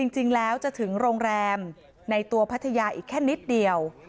จริงแล้วจะถึงโรงแรมในตัวพัทยาอีกแค่นิดเดียว